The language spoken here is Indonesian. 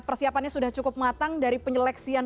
persiapannya sudah cukup matang dari penyeleksian